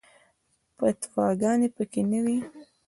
فتواګانې په کې نه وي.